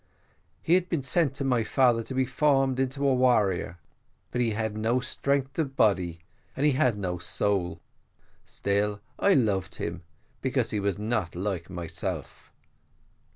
He had been sent to my father to be formed into a warrior, but he had no strength of body, and he had no soul; still I loved him because he was not like myself.